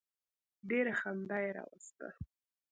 ډېره خندا یې راوسته.